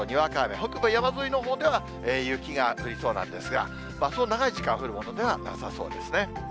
北部山沿いのほうでは雪が降りそうなんですが、そう長い時間降るものではなさそうですね。